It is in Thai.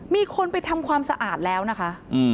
มีคนไปทำความสะอาดแล้วนะคะ